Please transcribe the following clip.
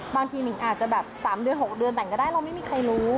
มิงอาจจะแบบ๓เดือน๖เดือนแต่งก็ได้เราไม่มีใครรู้